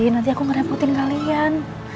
nanti aku ngerepotin kalian